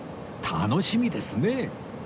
楽しみですね